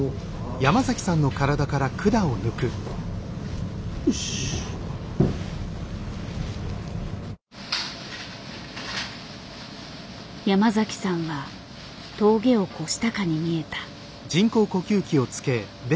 山崎さんは峠を越したかに見えた。